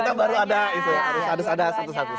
tapi sekarang kita baru ada satu satu